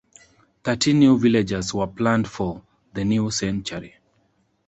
Thirteen new villages were planned for the new century.